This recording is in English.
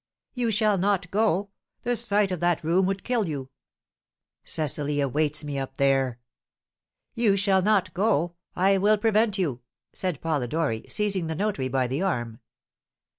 "You shall not go; the sight of that room would kill you!" "Cecily awaits me up there!" "You shall not go I will prevent you!" said Polidori, seizing the notary by the arm.